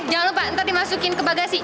jangan lupa ntar dimasukin ke bagasi